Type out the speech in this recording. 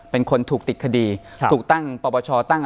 เป็นคนถูกติดคดีครับถูกตั้งปปชตั้ง